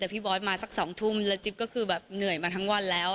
แต่พี่บอสมาสัก๒ทุ่มแล้วจิ๊บก็คือแบบเหนื่อยมาทั้งวันแล้ว